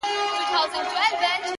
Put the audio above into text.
• د هغه غرور په دام کي بندیوان سي ,